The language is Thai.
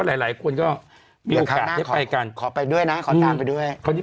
หลายคนก็มีโอกาสได้ไปกันขอไปด้วยนะขอตามไปด้วย